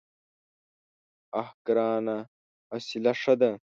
_اه ګرانه! حوصله ښه ده.